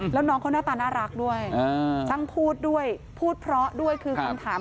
แล้วน้องเขาหน้าตาน่ารักด้วยช่างพูดด้วยพูดเพราะด้วยคือคำถาม